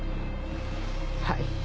はい。